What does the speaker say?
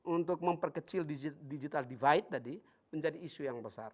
untuk memperkecil digital divide tadi menjadi isu yang besar